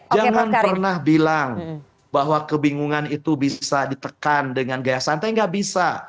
jangan pernah bilang bahwa kebingungan itu bisa ditekan dengan gaya santai gak bisa